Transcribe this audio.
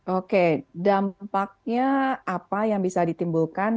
oke dampaknya apa yang bisa ditimbulkan